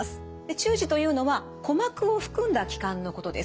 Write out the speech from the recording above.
中耳というのは鼓膜を含んだ器官のことです。